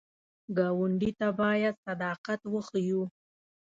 ګاونډي ته باید صداقت وښیو